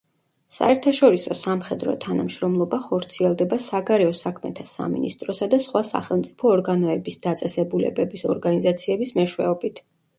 საერთაშორისო სამხედრო თანამშრომლობა ხორციელდება საგარეო საქმეთა სამინისტროსა და სხვა სახელმწიფო ორგანოების, დაწესებულებების, ორგანიზაციების მეშვეობით.